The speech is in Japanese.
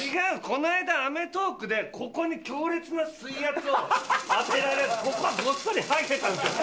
この間『アメトーーク』でここに強烈な水圧を当てられてここがごっそりハゲたんですよ